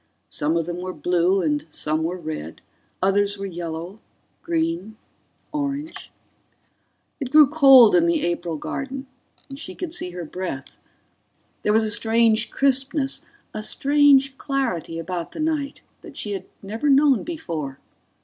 Some of them were blue and some were red, others were yellow ... green ... orange ... It grew cold in the April garden and she could see her breath. There was a strange crispness, a strange clarity about the night, that she had never known before